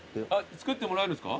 作ってもらえるんですか？